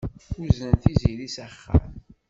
Uznen Tiziri s axxam.